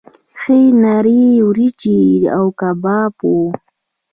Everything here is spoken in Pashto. ښې نرۍ وریجې او کباب وو.